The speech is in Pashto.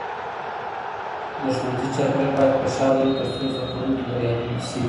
د ښوونځي چاپیریال باید خوشحاله وي ترڅو زده کوونکي بریالي سي.